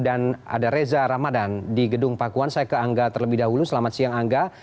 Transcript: dan ada reza ramadhan di gedung pakuan saya ke angga terlebih dahulu selamat siang angga